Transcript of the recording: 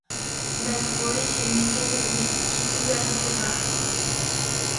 Ndaiporichéne chehegui ipy'ajuvéva.